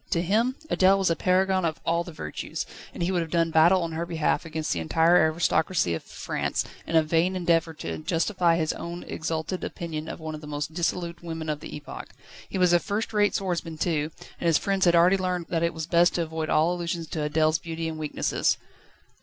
To him Adèle was a paragon of all the virtues, and he would have done battle on her behalf against the entire aristocracy of France, in a vain endeavour to justify his own exalted opinion of one of the most dissolute women of the epoch. He was a first rate swordsman too, and his friends had already learned that it was best to avoid all allusions to Adèle's beauty and weaknesses.